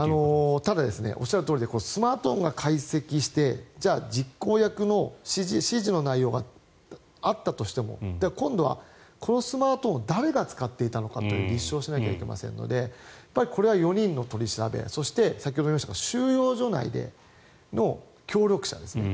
ただ、おっしゃるとおりスマートフォンを解析して実行役の指示の内容があったとしても今度はこのスマートフォンを誰が使っていたのかというのを立証しなきゃいけませんのでこれは４人の取り調べそして、先ほども言いましたが収容所内の協力者ですね。